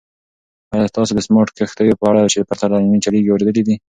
ایا تاسو د سمارټ کښتیو په اړه چې پرته له عملې چلیږي اورېدلي؟